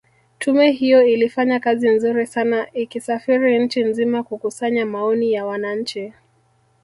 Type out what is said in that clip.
Tume hiyo ilifanya kazi nzuri sana ikisafiri nchi nzima kukusanya maoni ya wananchi